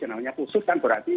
namanya khusus kan berarti